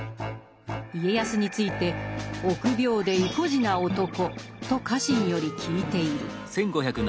家康について「臆病で依怙地な男」と家臣より聞いている。